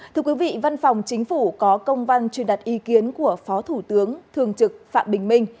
thưa quý vị văn phòng chính phủ có công văn truyền đặt ý kiến của phó thủ tướng thường trực phạm bình minh